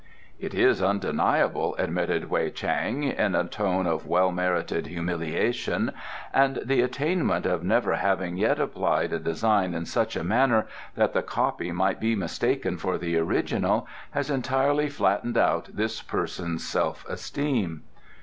"It is undeniable," admitted Wei Chang, in a tone of well merited humiliation; "and the attainment of never having yet applied a design in such a manner that the copy might be mistaken for the original has entirely flattened out this person's self esteem."